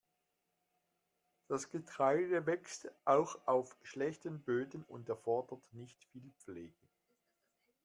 Das Getreide wächst auch auf schlechten Böden und erfordert nicht viel Pflege.